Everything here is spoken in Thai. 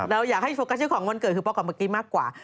เราอยากให้โฟกัสชื่อของวันเกิดคือป๊กับเมื่อกี้มากกว่า